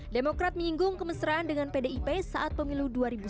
demokrat menyinggung kemesraan dengan pdip saat pemilu dua ribu sembilan belas